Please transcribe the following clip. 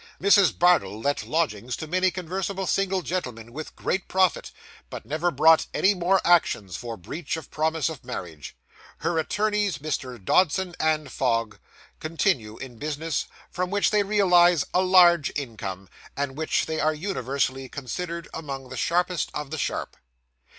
Mrs. Bardell let lodgings to many conversable single gentlemen, with great profit, but never brought any more actions for breach of promise of marriage. Her attorneys, Messrs. Dodson & Fogg, continue in business, from which they realise a large income, and in which they are universally considered among the sharpest of the sharp.